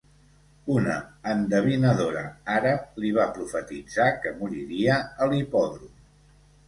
Una endevinadora àrab li va profetitzar que moriria a l'hipòdrom.